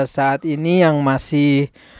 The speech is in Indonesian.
saat ini yang masih